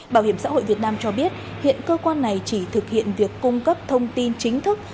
bảo hiểm xã hội việt nam cho biết hiện cơ quan này chỉ thực hiện việc cung cấp thông tin chính thức